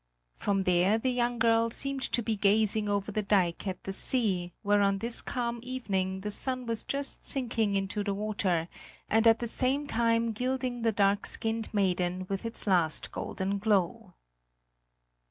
From there the young girl seemed to be gazing over the dike at the sea, where on this calm evening the sun was just sinking into the water and at the same time gilding the dark skinned maiden with its last golden glow.